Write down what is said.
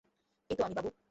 এইতো আমি, বাবু।